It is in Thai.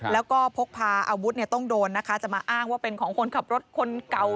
แล้วก็พกพาอาวุธเนี่ยต้องโดนนะคะจะมาอ้างว่าเป็นของคนขับรถคนเก่า